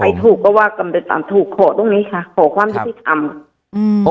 ถูกก็ว่ากันไปตามถูกขอตรงนี้ค่ะขอความยุติธรรมอืม